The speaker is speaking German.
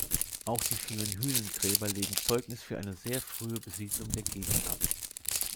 Auch die vielen Hünengräber legen Zeugnis für eine sehr frühe Besiedelung der Gegend ab.